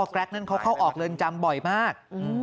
แกรกนั้นเขาเข้าออกเรือนจำบ่อยมาก